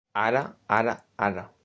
Ara, ara, ara...